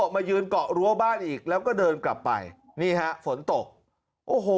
มายืนเกาะรั้วบ้านอีกแล้วก็เดินกลับไปนี่ฮะฝนตกโอ้โห